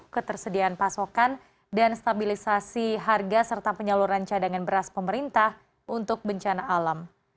ketersediaan pasokan dan stabilisasi harga serta penyaluran cadangan beras pemerintah untuk bencana alam